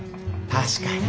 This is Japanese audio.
・確かに。